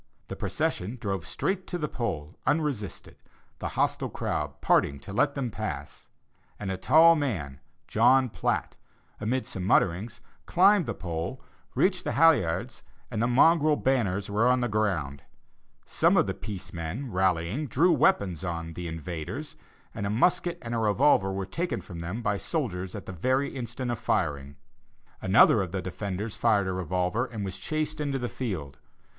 The procession drove straight to the pole unresisted, the hostile crowd parting to let them pass; and a tall man, John Platt, amid some mutterings, climbed the pole, reached the halliards, and the mongrel banners were on the ground. Some of the peace men, rallying, drew weapons on 'the invaders,' and a musket and a revolver were taken from them by soldiers at the very instant of firing. Another of the defenders fired a revolver, and was chased into the fields.